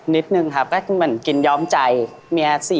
นิดนึงครับก็เหมือนกินยอมใจ